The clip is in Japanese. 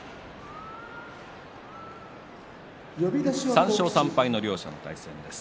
３勝３敗の両者の対戦です。